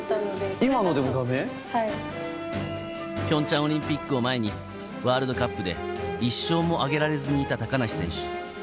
ピョンチャンオリンピックを前にワールドカップで１勝も挙げられずにいた高梨選手。